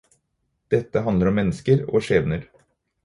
Dette handler om mennesker og skjebner.